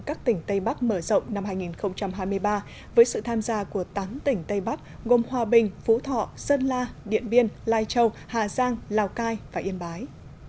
các tỉnh tây bắc mở rộng năm hai nghìn hai mươi ba với sự tham gia của tám tỉnh tây bắc gồm hòa bình phú thọ sơn la điện biên lai châu hà giang lào cai và yên bái